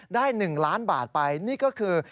๑ล้านบาทไปนี่ก็คือ